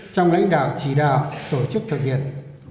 trong lãnh đạo chỉ đạo tổ chức thực hiện